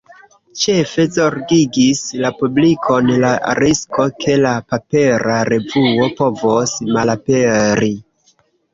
Ĉefe zorgigis la publikon la risko, ke la papera revuo povos malaperi.